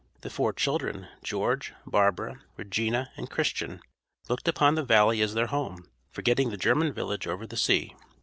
The four children, George, Barbara, Regina, and Christian, looked upon the valley as their home, forgetting the German village over the sea.